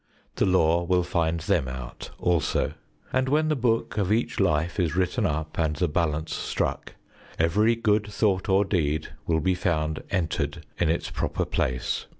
The Law will find them out also; and when the book of each life is written up and the balance struck, every good thought or deed will be found entered in its proper place.